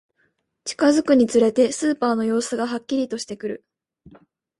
近づくにつれて、スーパーの様子がはっきりとしてくる